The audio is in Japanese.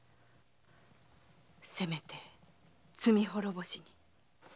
せめて罪滅ぼしに。